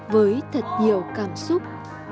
với thật nhiều cảm xúc